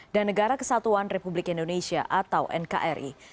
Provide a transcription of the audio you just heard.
dan negara kesatuan republik indonesia atau nkri